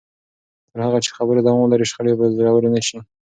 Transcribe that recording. تر هغه چې خبرې دوام ولري، شخړې به ژورې نه شي.